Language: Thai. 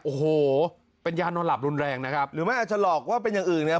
โอ้โหเป็นยานอนหลับรุนแรงนะครับหรือไม่อาจจะหลอกว่าเป็นอย่างอื่นเนี่ย